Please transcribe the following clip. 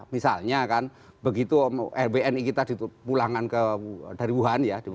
misalnya kan begitu rbni kita pulangkan dari wuhan ya